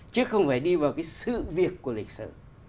chứ không phải đi vào cái sự việc của lịch sử